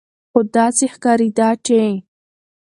خو داسې ښکارېده چې